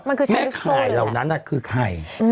มันคือไกลตรงปัญยาหรือเปล่าแม่ข่ายเหล่านั่นคือใคร